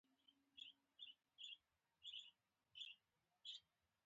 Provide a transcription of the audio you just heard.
هغوی په کرنه کې ځانګړی مهارت درلود.